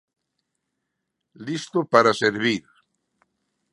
Listo para servir.